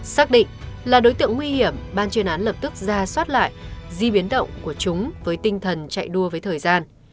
xác định là đối tượng nguy hiểm ban chuyên án lập tức ra soát lại di biến động của chúng với tinh thần chạy đua với thời gian